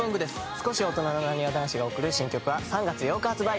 少し大人のなにわ男子が送る新曲は３月８日発売